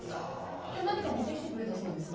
今日、何か持ってきてくれたそうですね。